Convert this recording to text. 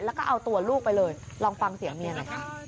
แล้วก็เอาตัวลูกไปเลยลองฟังเสียงเมียหน่อยค่ะ